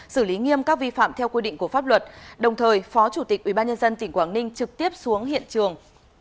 xử lý nghiêm các vi phạm theo quy định của pháp luật đồng thời phó chủ tịch ubnd tỉnh quảng ninh trực tiếp xuống hiện trường